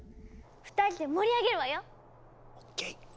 ２人で盛り上げるわよ！ＯＫ！